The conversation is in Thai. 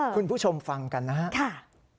คุณผู้ชมฟังกันนะครับ